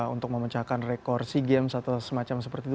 untuk memecahkan rekor sea games atau semacam seperti itu